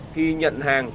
khi nhận hàng